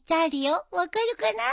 分かるかな？